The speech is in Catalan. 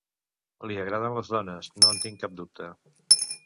Li agraden les dones, no en tinc cap dubte.